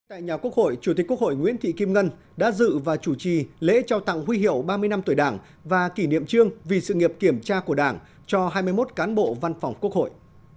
tại nhà quốc hội chủ tịch quốc hội nguyễn thị kim ngân đã dự và chủ trì lễ trao tặng huy hiệu ba mươi năm tuổi đảng và kỷ niệm trương vì sự nghiệp kiểm tra của đảng cho hai mươi một cán bộ văn phòng quốc hội